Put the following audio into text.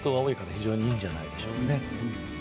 非常にいいんじゃないでしょうかね。